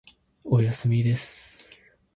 おやすみです。